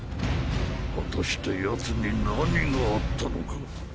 果たしてヤツに何があったのか。